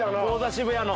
渋谷の。